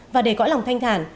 và để cõi lòng thanh thản